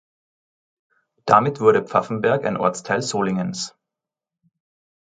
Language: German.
Damit wurde Pfaffenberg ein Ortsteil Solingens.